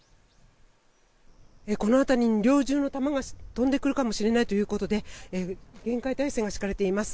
この辺りに猟銃の弾が飛んでくるかもしれないということで厳戒態勢が敷かれています。